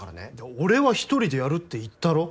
俺は１人でやるって言ったろ。